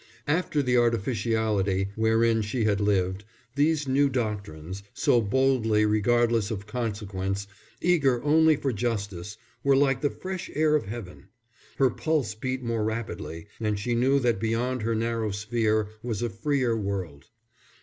After the artificiality wherein she had lived, these new doctrines, so boldly regardless of consequence, eager only for justice, were like the fresh air of heaven: her pulse beat more rapidly, and she knew that beyond her narrow sphere was a freer world.